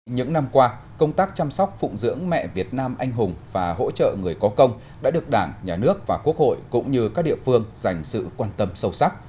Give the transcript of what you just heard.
những năm qua công tác chăm sóc phụng dưỡng mẹ việt nam anh hùng và hỗ trợ người có công đã được đảng nhà nước và quốc hội cũng như các địa phương dành sự quan tâm sâu sắc